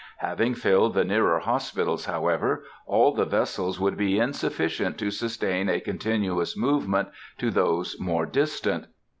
Having filled the nearer hospitals, however, all the vessels would be insufficient to sustain a continuous movement to those more distant.